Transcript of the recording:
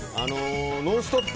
「ノンストップ！」